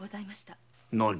何？